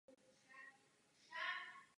Je ovlivněn Miroslavem Tichým.